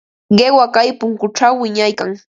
Qiwa kay punkućhaw wiñaykan.